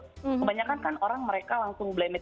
kebanyakan kan orang mereka langsung blame it